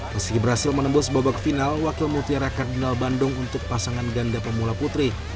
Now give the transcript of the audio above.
meski berhasil menembus babak final wakil mutiara kardinal bandung untuk pasangan ganda pemula putri